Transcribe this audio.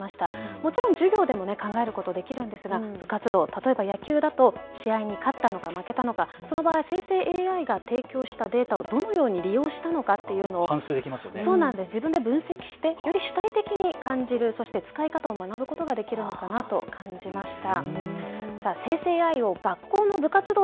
もちろん授業でも考えることできるんですが、部活動、例えば野球だと試合に勝ったのか負けたのか、その場合、生成ＡＩが提供したデータをどのように利用したのかというのを自分で分析してより主体的に感じる、そして使い方を学ぶことができるのかなと感じました。